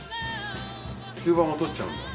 吸盤を取っちゃうんだ。